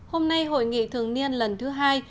hôm nay hội nghị thường niên lần thứ hai